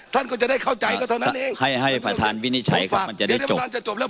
ท่านก็จะได้เข้าใจก็เท่านั้นเองให้ให้ประธานวินิจฉัยว่ามันจะจบแล้ว